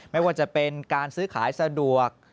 ไม่ว่าจะเป็นการซื้อขายสะดวก